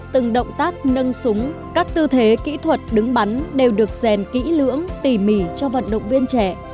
từng động tác nâng súng các tư thế kỹ thuật đứng bắn đều được rèn kỹ lưỡng tỉ mỉ cho vận động viên trẻ